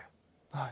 はい。